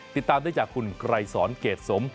ติดตามได้จากคุณไกรยสร้างเกจสม